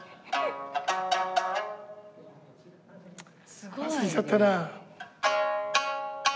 すごい！忘れちゃったな。